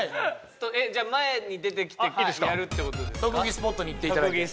スポットに行っていただいて特技